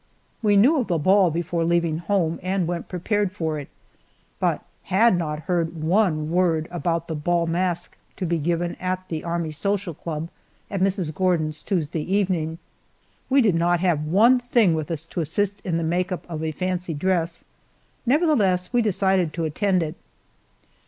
We knew of the ball before leaving home, and went prepared for it, but had not heard one word about the bal masque to be given by "The Army Social Club" at Mrs. Gordon's Tuesday evening. We did not have one thing with us to assist in the make up of a fancy dress; nevertheless we decided to attend it.